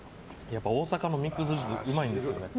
大阪のミックスジュースうまいんですよね。